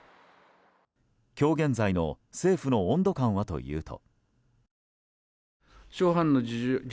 今日現在の政府の温度感はというと。